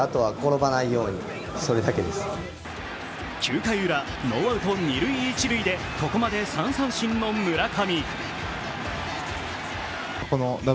９回ウラ、ノーアウト二・一塁でここまで３三振の村上。